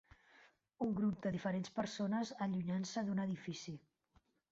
Un grup de diferents persones allunyant-se d'un edifici.